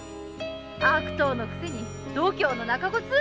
悪党のくせに度胸のなかこつ。